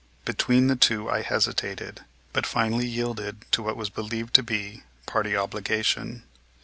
Between the two I hesitated, but finally yielded to what was believed to be party obligation.